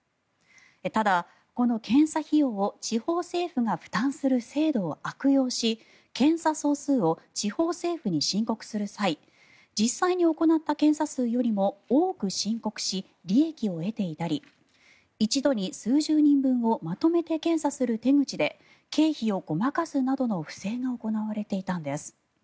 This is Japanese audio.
ただ、この検査費用を地方政府が負担する制度を悪用し検査総数を地方政府に申告する際実際に行った検査数よりも多く申告し利益を得ていたり一度に数十人分をまとめて検査する手口で経費をごまかすなどの不正が行われていたんです。